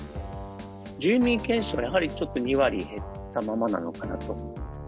住民健診はやはりちょっと２割減ったままなのかなと。